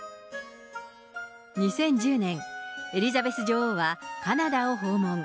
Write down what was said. ２０１０年、エリザベス女王はカナダを訪問。